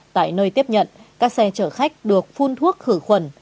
tại nơi tiếp nhận các xe chở khách được phun thuốc khử khuẩn